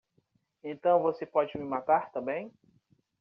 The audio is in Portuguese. Então você pode me matar também?